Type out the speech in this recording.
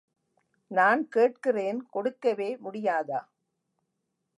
நான் கேட்கிறேன் கொடுக்கவே முடியாதா!